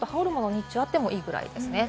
日中あってもいいぐらいです。